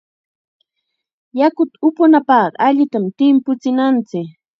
Yakuta upunapaqqa allitam timpuchinanchik.